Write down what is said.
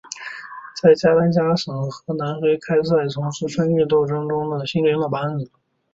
在加丹加省和南非开赛从事分裂斗争中的新的领导班子。